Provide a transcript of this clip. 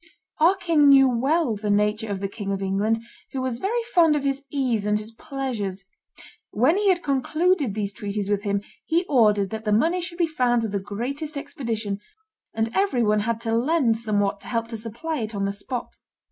... Our king knew well the nature of the King of England, who was very fond of his ease and his pleasures: when he had concluded these treaties with him, he ordered that the money should be found with the greatest expedition, and every one had to lend somewhat to help to supply it on the spot.